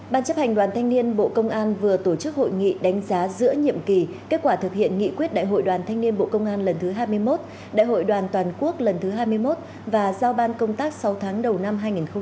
ban chấp hành đoàn thanh niên bộ công an vừa tổ chức hội nghị đánh giá giữa nhiệm kỳ kết quả thực hiện nghị quyết đại hội đoàn thanh niên bộ công an lần thứ hai mươi một đại hội đoàn toàn quốc lần thứ hai mươi một và giao ban công tác sáu tháng đầu năm hai nghìn hai mươi ba